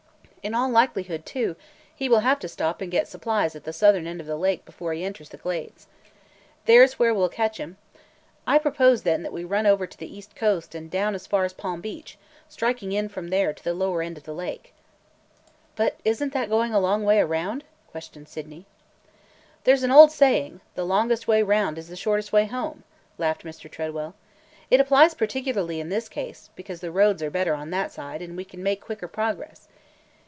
In all likelihood, too, he will have to stop and get supplies at the southern end of the lake before he enters the Glades. There 's where we 'll catch him. I propose, then, that we run over to the east coast and down as far as Palm Beach, striking in from there to the lower end of the lake." "But is n't that going a long way around?" questioned Sydney. "There 's an old saying, 'The longest way round is the shortest way home'!" laughed Mr. Tredwell. "It applies particularly in this case, because the roads are better on that side and we can make quicker progress.